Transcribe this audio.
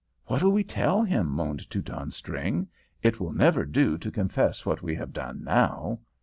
"What'll we tell him?" moaned Teutonstring. "It will never do to confess what we have done now."